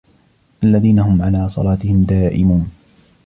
الَّذِينَ هُمْ عَلَى صَلاتِهِمْ دَائِمُونَ